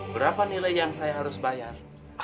berapa nilai yang saya harus bayar